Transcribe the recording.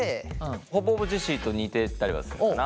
ほぼほぼジェシーと似てたりはするかな。